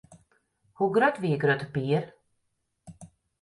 Hoe grut wie Grutte Pier?